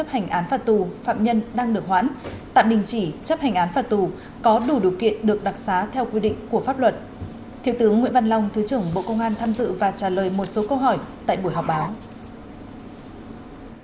trung tướng nguyễn văn long thứ trưởng bộ công an tham dự và trả lời một số câu hỏi tại buổi họp báo